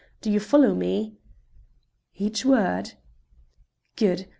Do you follow me?" "Each word." "Good.